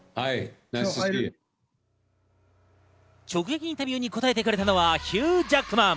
直撃インタビューに答えてくれたのはヒュー・ジャックマン。